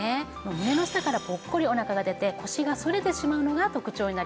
胸の下からポッコリお腹が出て腰が反れてしまうのが特徴になります。